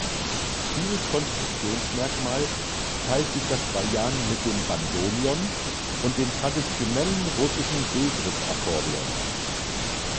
Dieses Konstruktionsmerkmal teilt sich das Bajan mit dem Bandoneon und den traditionellen russischen B-Griff-Akkordeons.